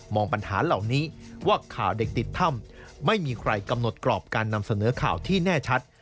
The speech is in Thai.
ปัญหาเหล่านี้ว่าข่าวเด็กติดถ้ำไม่มีใครกำหนดกรอบการนำเสนอข่าวที่แน่ชัด